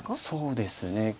そうですね。